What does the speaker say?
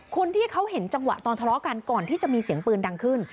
คนที่เขาเห็นจังหวะตอนทะเลาะกันก่อนที่จะมีเสียงปืนดังขึ้น